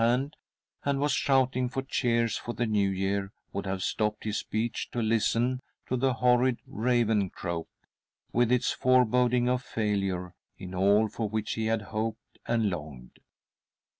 hand, and was shouting for cheers for the New Year, would have stopped his speech to listen to the horrid raven croak, with its foreboding of failure in all for which he had hoped and longed..